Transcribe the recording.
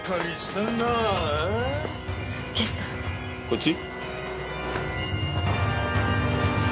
こっち？